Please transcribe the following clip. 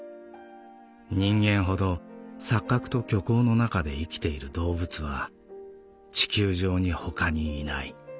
人間ほど錯覚と虚構の中で生きている動物は地球上に他にいない」。